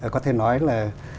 có thể nói là